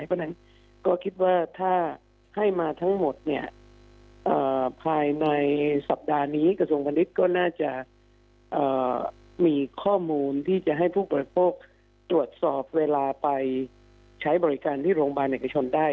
เพราะฉะนั้นก็คิดว่าถ้าให้มาทั้งหมดเนี่ยภายในสัปดาห์นี้กระทรวงพาณิชย์ก็น่าจะมีข้อมูลที่จะให้ผู้บริโภคตรวจสอบเวลาไปใช้บริการที่โรงพยาบาลเอกชนได้